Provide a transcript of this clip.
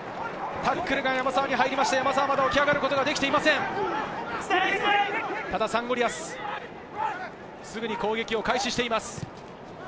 タックルが山沢に入って、まだ起き上がることができていません、サンゴリアス、すぐに攻撃を開始しています。